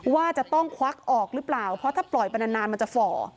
ว่าจะต้องควักออกหรือเปล่าเพราะถ้าปล่อยไปนานมันจะฝ่อ